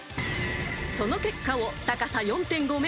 ［その結果を高さ４．５ｍ］